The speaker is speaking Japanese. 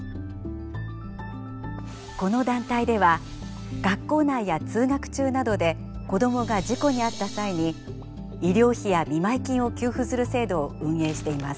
この団体では学校内や通学中などで子どもが事故に遭った際に医療費や見舞い金を給付する制度を運営しています。